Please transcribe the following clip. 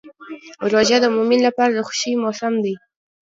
روژه د مؤمن لپاره د خوښۍ موسم دی.